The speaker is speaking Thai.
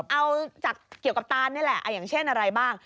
เอาจากเกี่ยวกับตานนี่แหละอย่างเช่นอะไรบ้าง